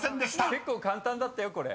結構簡単だったよこれ。